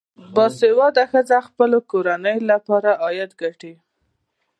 باسواده ښځې د خپلو کورنیو لپاره عاید ګټي.